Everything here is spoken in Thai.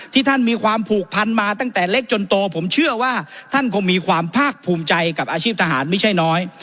ท่านมีความผูกพันมาตั้งแต่เล็กจนโตผมเชื่อว่าท่านคงมีความภาคภูมิใจกับอาชีพทหารไม่ใช่น้อย